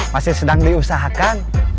masih sedang diusahakan